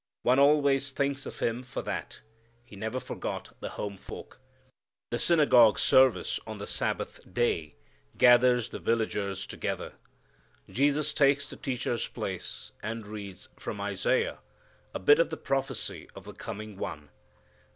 One always thinks more of Him for that. He never forgot the home folk. The synagogue service on the Sabbath day gathers the villagers together. Jesus takes the teacher's place, and reads, from Isaiah, a bit of the prophecy of the coming One.